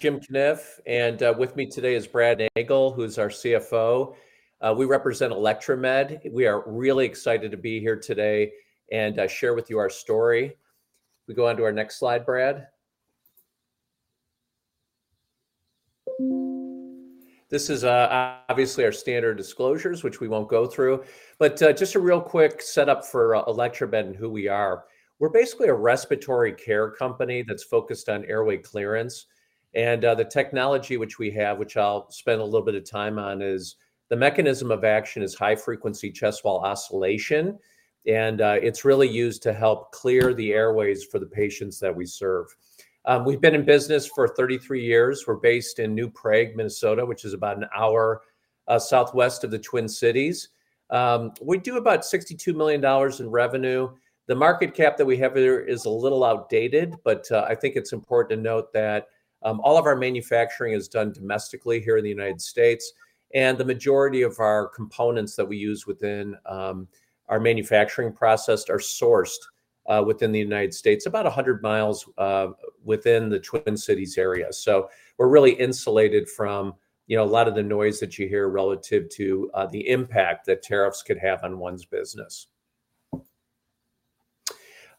Jim Kniff, and with me today is Brad Nagel, who's our CFO. We represent Electromed. We are really excited to be here today and share with you our story. We go on to our next slide, Brad. This is obviously our standard disclosures, which we won't go through, but just a real quick setup for Electromed and who we are. We're basically a respiratory care company that's focused on airway clearance. The technology which we have, which I'll spend a little bit of time on, is the mechanism of action is high-frequency chest wall oscillation. It's really used to help clear the airways for the patients that we serve. We've been in business for 33 years. We're based in New Prague, Minnesota, which is about an hour southwest of the Twin Cities. We do about $62 million in revenue. The market cap that we have here is a little outdated, but I think it's important to note that all of our manufacturing is done domestically here in the United States. The majority of our components that we use within our manufacturing process are sourced within the United States, about 100 miles within the Twin Cities area. We are really insulated from a lot of the noise that you hear relative to the impact that tariffs could have on one's business.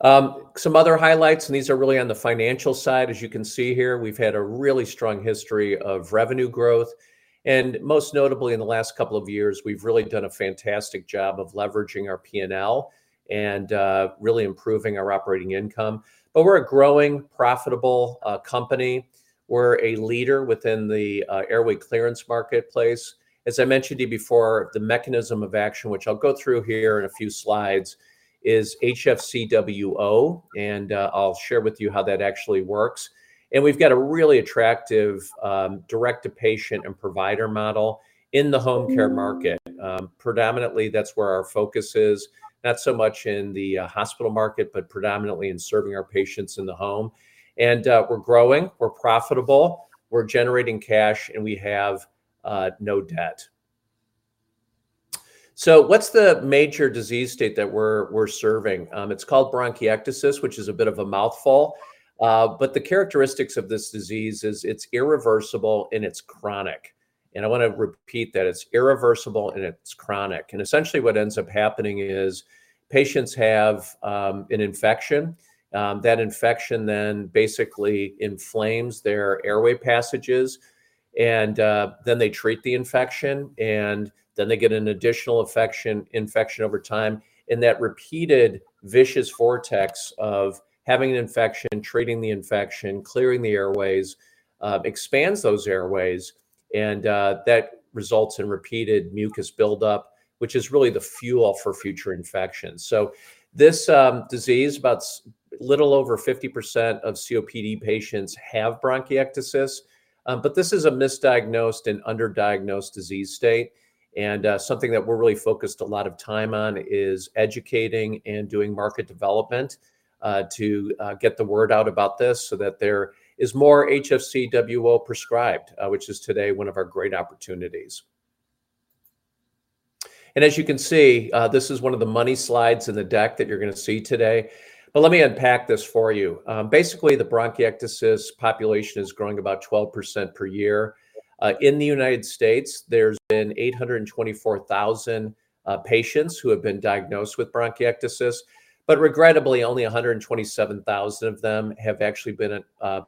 Some other highlights, and these are really on the financial side, as you can see here, we've had a really strong history of revenue growth. Most notably, in the last couple of years, we've really done a fantastic job of leveraging our P&L and really improving our operating income. We are a growing, profitable company. We are a leader within the airway clearance marketplace. As I mentioned to you before, the mechanism of action, which I'll go through here in a few slides, is HFCWO, and I'll share with you how that actually works. We have a really attractive direct-to-patient and provider model in the home care market. Predominantly, that's where our focus is, not so much in the hospital market, but predominantly in serving our patients in the home. We're growing, we're profitable, we're generating cash, and we have no debt. What's the major disease state that we're serving? It's called bronchiectasis, which is a bit of a mouthful. The characteristics of this disease is it's irreversible and it's chronic. I want to repeat that it's irreversible and it's chronic. Essentially what ends up happening is patients have an infection. That infection then basically inflames their airway passages. They treat the infection, and then they get an additional infection over time. That repeated vicious vortex of having an infection, treating the infection, clearing the airways expands those airways. That results in repeated mucus buildup, which is really the fuel for future infections. This disease, about a little over 50% of COPD patients have bronchiectasis. This is a misdiagnosed and underdiagnosed disease state. Something that we are really focused a lot of time on is educating and doing market development to get the word out about this so that there is more HFCWO prescribed, which is today one of our great opportunities. As you can see, this is one of the money slides in the deck that you are going to see today. Let me unpack this for you. Basically, the bronchiectasis population is growing about 12% per year. In the United States, there's been 824,000 patients who have been diagnosed with bronchiectasis. But regrettably, only 127,000 of them have actually been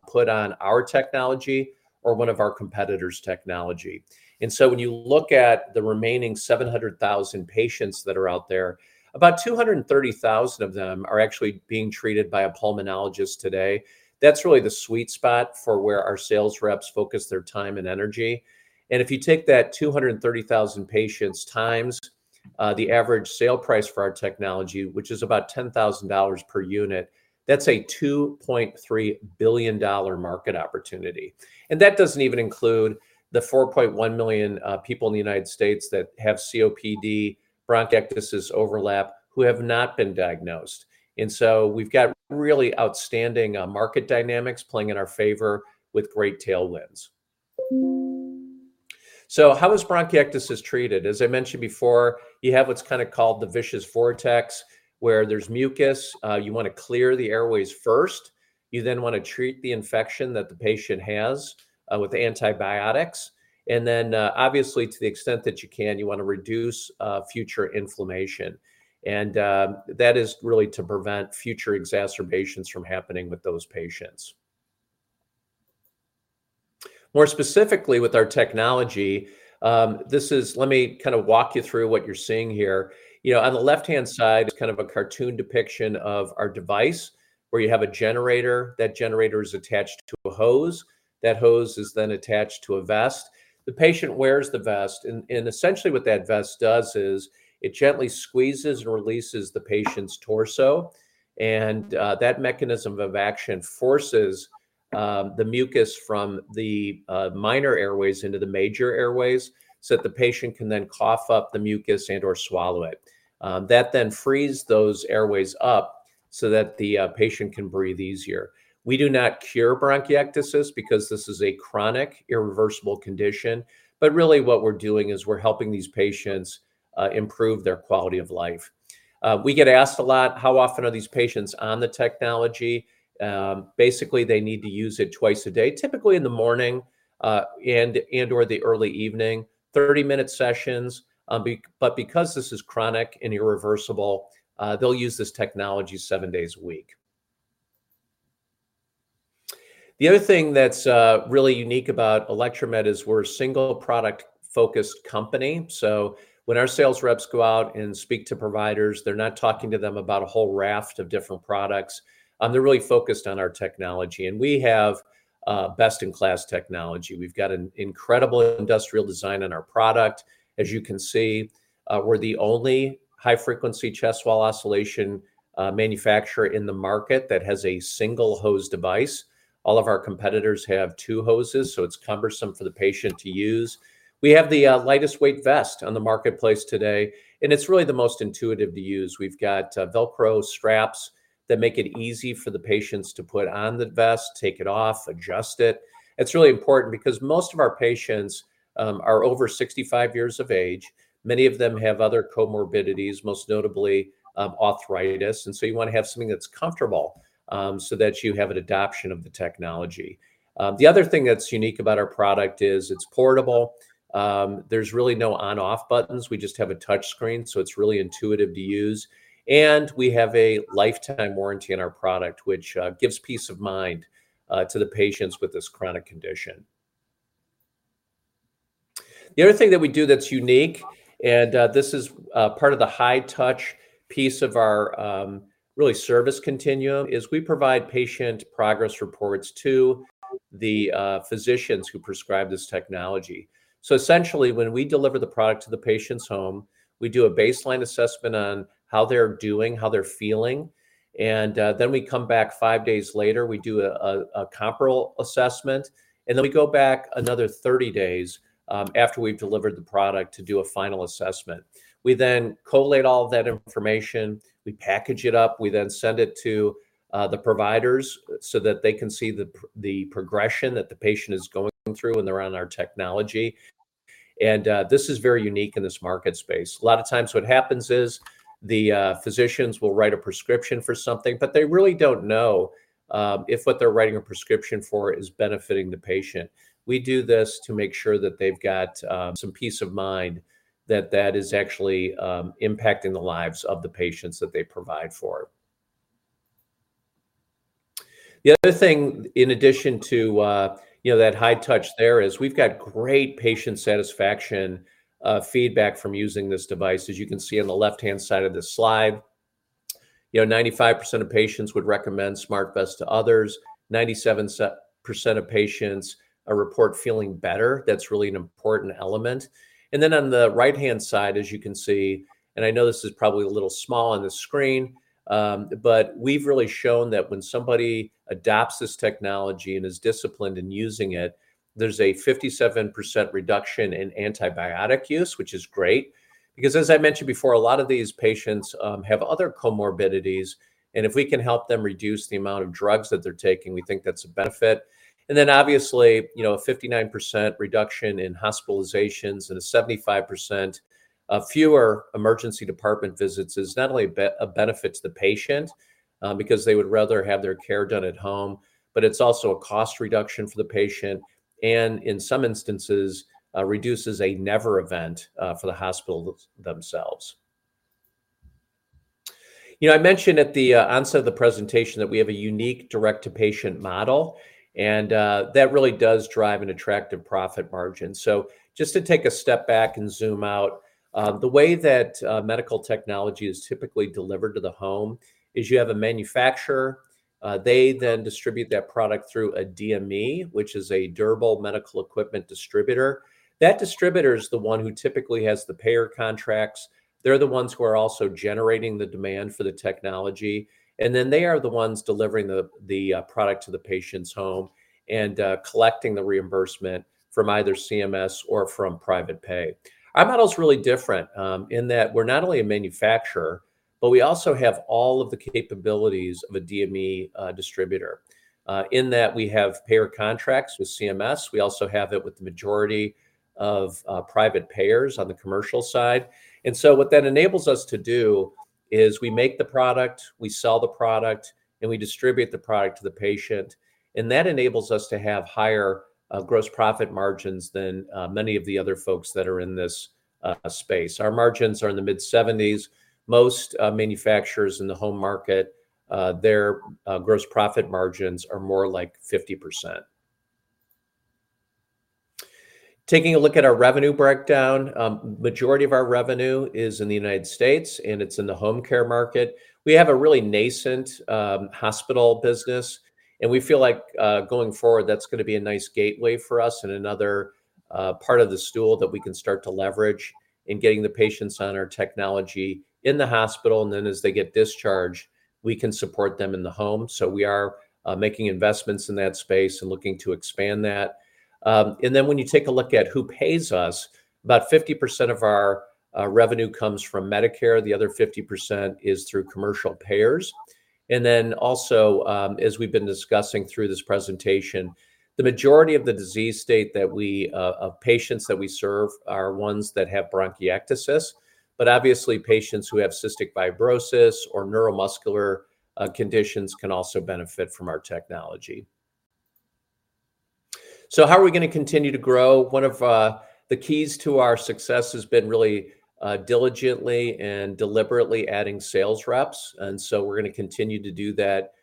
put on our technology or one of our competitors' technology. When you look at the remaining 700,000 patients that are out there, about 230,000 of them are actually being treated by a pulmonologist today. That's really the sweet spot for where our sales reps focus their time and energy. If you take that 230,000 patients times the average sale price for our technology, which is about $10,000 per unit, that's a $2.3 billion market opportunity. That doesn't even include the 4.1 million people in the United States that have COPD, bronchiectasis overlap, who have not been diagnosed. We've got really outstanding market dynamics playing in our favor with great tailwinds. How is bronchiectasis treated? As I mentioned before, you have what's kind of called the vicious vortex, where there's mucus. You want to clear the airways first. You then want to treat the infection that the patient has with antibiotics. Obviously, to the extent that you can, you want to reduce future inflammation. That is really to prevent future exacerbations from happening with those patients. More specifically, with our technology, let me kind of walk you through what you're seeing here. On the left-hand side, kind of a cartoon depiction of our device, where you have a generator. That generator is attached to a hose. That hose is then attached to a vest. The patient wears the vest. Essentially what that vest does is it gently squeezes and releases the patient's torso. That mechanism of action forces the mucus from the minor airways into the major airways so that the patient can then cough up the mucus and/or swallow it. That then frees those airways up so that the patient can breathe easier. We do not cure bronchiectasis because this is a chronic, irreversible condition. Really what we're doing is we're helping these patients improve their quality of life. We get asked a lot, how often are these patients on the technology? Basically, they need to use it twice a day, typically in the morning and/or the early evening, 30-minute sessions. Because this is chronic and irreversible, they'll use this technology seven days a week. The other thing that's really unique about Electromed is we're a single product-focused company. When our sales reps go out and speak to providers, they're not talking to them about a whole raft of different products. They're really focused on our technology. We have best-in-class technology. We've got an incredible industrial design in our product. As you can see, we're the only high-frequency chest wall oscillation manufacturer in the market that has a single-hose device. All of our competitors have two hoses, so it's cumbersome for the patient to use. We have the lightest-weight vest on the marketplace today. It's really the most intuitive to use. We've got VELCRO straps that make it easy for the patients to put on the vest, take it off, adjust it. It's really important because most of our patients are over 65 years of age. Many of them have other comorbidities, most notably arthritis. You want to have something that's comfortable so that you have an adoption of the technology. The other thing that's unique about our product is it's portable. There's really no on/off buttons. We just have a touchscreen, so it's really intuitive to use. We have a lifetime warranty on our product, which gives peace of mind to the patients with this chronic condition. The other thing that we do that's unique, and this is part of the high-touch piece of our really service continuum, is we provide patient progress reports to the physicians who prescribe this technology. Essentially, when we deliver the product to the patient's home, we do a baseline assessment on how they're doing, how they're feeling. We come back five days later, we do a comparable assessment. We go back another 30 days after we've delivered the product to do a final assessment. We then collate all that information. We package it up. We then send it to the providers so that they can see the progression that the patient is going through when they're on our technology. This is very unique in this market space. A lot of times what happens is the physicians will write a prescription for something, but they really don't know if what they're writing a prescription for is benefiting the patient. We do this to make sure that they've got some peace of mind that that is actually impacting the lives of the patients that they provide for. The other thing, in addition to that high-touch there, is we've got great patient satisfaction feedback from using this device, as you can see on the left-hand side of this slide. 95% of patients would recommend SmartVest to others. 97% of patients report feeling better. That's really an important element. On the right-hand side, as you can see, and I know this is probably a little small on the screen, we've really shown that when somebody adopts this technology and is disciplined in using it, there's a 57% reduction in antibiotic use, which is great. Because as I mentioned before, a lot of these patients have other comorbidities. If we can help them reduce the amount of drugs that they're taking, we think that's a benefit. Obviously, a 59% reduction in hospitalizations and a 75% fewer emergency department visits is not only a benefit to the patient because they would rather have their care done at home, but it is also a cost reduction for the patient and in some instances reduces a never event for the hospitals themselves. I mentioned at the onset of the presentation that we have a unique direct-to-patient model. That really does drive an attractive profit margin. Just to take a step back and zoom out, the way that medical technology is typically delivered to the home is you have a manufacturer. They then distribute that product through a DME, which is a durable medical equipment distributor. That distributor is the one who typically has the payer contracts. They are the ones who are also generating the demand for the technology. They are the ones delivering the product to the patient's home and collecting the reimbursement from either CMS or from private pay. Our model's really different in that we're not only a manufacturer, but we also have all of the capabilities of a DME distributor. In that we have payer contracts with CMS. We also have it with the majority of private payers on the commercial side. What that enables us to do is we make the product, we sell the product, and we distribute the product to the patient. That enables us to have higher gross profit margins than many of the other folks that are in this space. Our margins are in the mid-70%. Most manufacturers in the home market, their gross profit margins are more like 50%. Taking a look at our revenue breakdown, the majority of our revenue is in the United States, and it's in the home care market. We have a really nascent hospital business. We feel like going forward, that's going to be a nice gateway for us and another part of the stool that we can start to leverage in getting the patients on our technology in the hospital. As they get discharged, we can support them in the home. We are making investments in that space and looking to expand that. When you take a look at who pays us, about 50% of our revenue comes from Medicare. The other 50% is through commercial payers. Also, as we've been discussing through this presentation, the majority of the disease state of patients that we serve are ones that have bronchiectasis. Obviously, patients who have cystic fibrosis or neuromuscular conditions can also benefit from our technology. How are we going to continue to grow? One of the keys to our success has been really diligently and deliberately adding sales reps. We're going to continue to do that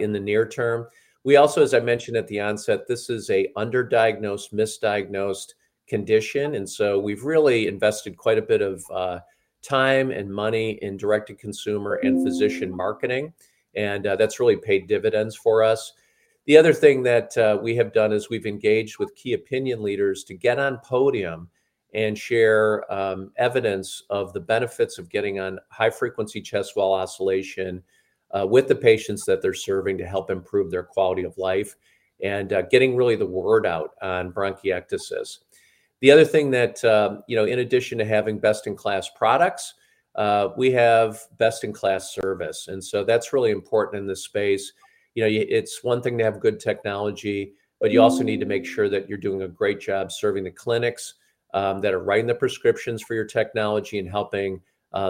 in the near term. We also, as I mentioned at the onset, this is an underdiagnosed, misdiagnosed condition. We've really invested quite a bit of time and money in direct-to-consumer and physician marketing. That's really paid dividends for us. The other thing that we have done is we've engaged with key opinion leaders to get on podium and share evidence of the benefits of getting on high-frequency chest wall oscillation with the patients that they're serving to help improve their quality of life and getting really the word out on bronchiectasis. The other thing that, in addition to having best-in-class products, we have best-in-class service. That is really important in this space. It is one thing to have good technology, but you also need to make sure that you are doing a great job serving the clinics that are writing the prescriptions for your technology and helping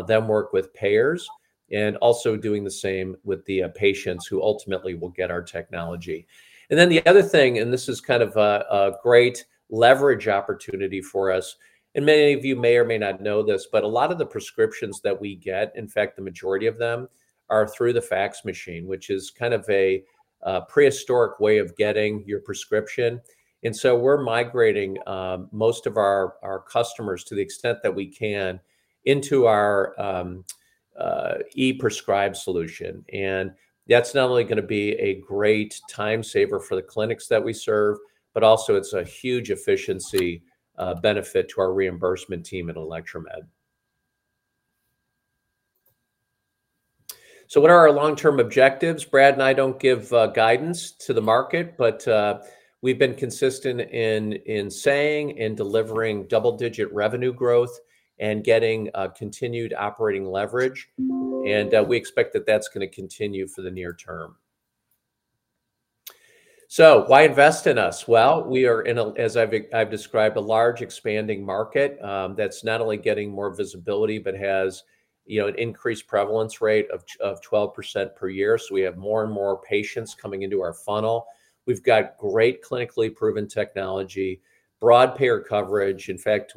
them work with payers and also doing the same with the patients who ultimately will get our technology. The other thing, and this is kind of a great leverage opportunity for us. Many of you may or may not know this, but a lot of the prescriptions that we get, in fact, the majority of them are through the fax machine, which is kind of a prehistoric way of getting your prescription. We are migrating most of our customers, to the extent that we can, into our e-prescribe solution. That is not only going to be a great time saver for the clinics that we serve, but also it is a huge efficiency benefit to our reimbursement team at Electromed. What are our long-term objectives? Brad and I do not give guidance to the market, but we have been consistent in saying and delivering double-digit revenue growth and getting continued operating leverage. We expect that is going to continue for the near term. Why invest in us? We are, as I have described, a large expanding market that is not only getting more visibility but has an increased prevalence rate of 12% per year. We have more and more patients coming into our funnel. We have great clinically proven technology, broad payer coverage. In fact,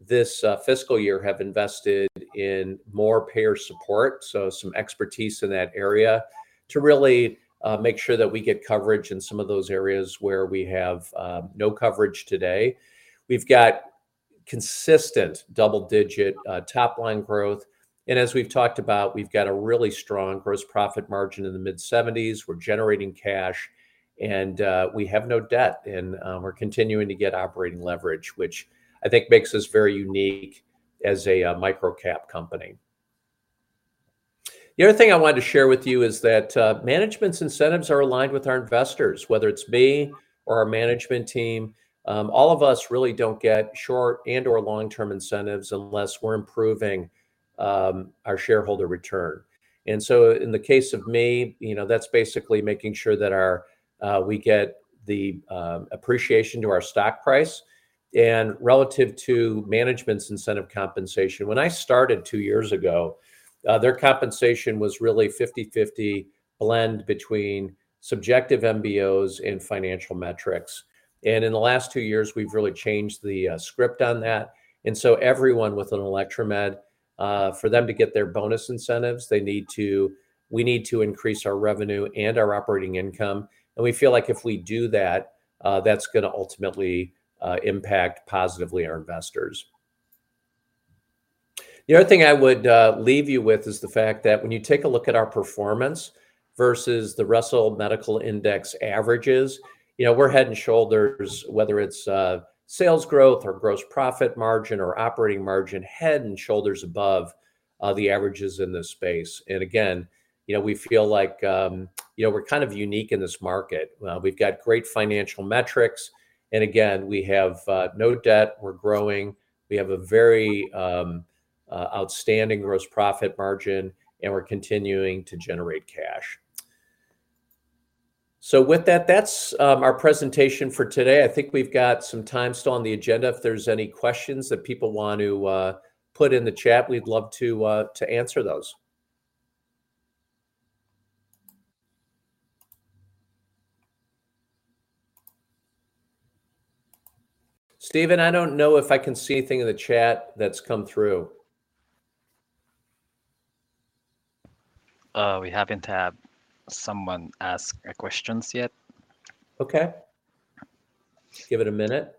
this fiscal year, we have invested in more payer support, so some expertise in that area to really make sure that we get coverage in some of those areas where we have no coverage today. We've got consistent double-digit top-line growth. As we've talked about, we've got a really strong gross profit margin in the mid-70%. We're generating cash. We have no debt. We're continuing to get operating leverage, which I think makes us very unique as a micro-cap company. The other thing I wanted to share with you is that management's incentives are aligned with our investors. Whether it's me or our management team, all of us really don't get short- and/or long-term incentives unless we're improving our shareholder return. In the case of me, that's basically making sure that we get the appreciation to our stock price. Relative to management's incentive compensation, when I started two years ago, their compensation was really a 50/50 blend between subjective MBOs and financial metrics. In the last two years, we have really changed the script on that. Everyone within Electromed, for them to get their bonus incentives, we need to increase our revenue and our operating income. We feel like if we do that, that is going to ultimately impact positively our investors. The other thing I would leave you with is the fact that when you take a look at our performance versus the Russell medical index averages, we are head and shoulders, whether it is sales growth or gross profit margin or operating margin, head and shoulders above the averages in this space. We feel like we are kind of unique in this market. We have great financial metrics. We have no debt. We are growing. We have a very outstanding gross profit margin. We're continuing to generate cash. With that, that's our presentation for today. I think we've got some time still on the agenda. If there's any questions that people want to put in the chat, we'd love to answer those. Steven, I don't know if I can see anything in the chat that's come through. We haven't had someone ask questions yet. Okay. Give it a minute.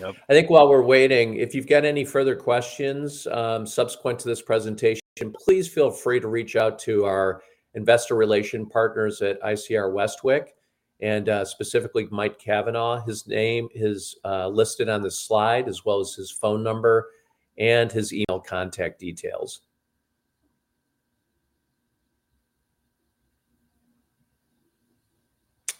Nope. I think while we're waiting, if you've got any further questions subsequent to this presentation, please feel free to reach out to our investor relation partners at ICR-Westwicke and specifically Mike Cavanaugh. His name is listed on the slide, as well as his phone number and his email contact details.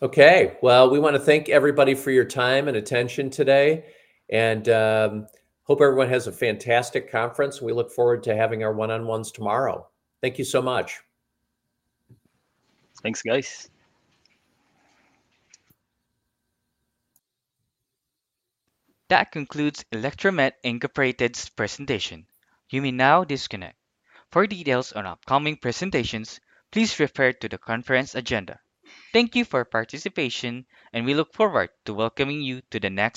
Okay. We want to thank everybody for your time and attention today. We hope everyone has a fantastic conference. We look forward to having our one-on-ones tomorrow. Thank you so much. Thanks, guys. That concludes Electromed Inc's presentation. You may now disconnect. For details on upcoming presentations, please refer to the conference agenda. Thank you for your participation, and we look forward to welcoming you to the next.